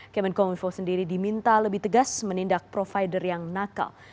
kemenkominfo sendiri diminta lebih tegas menindak provider yang nakal